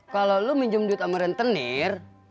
kalau lo minjem duit amaran tenir